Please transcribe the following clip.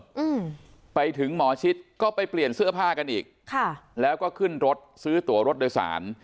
อืมไปถึงหมอชิดก็ไปเปลี่ยนเสื้อผ้ากันอีกค่ะแล้วก็ขึ้นรถซื้อตัวรถโดยสาร